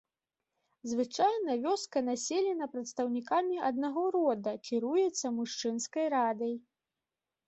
Звычайна вёска населена прадстаўнікамі аднаго рода, кіруецца мужчынскай радай.